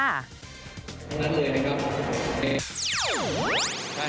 ด้วยนั้นเลยนะครับ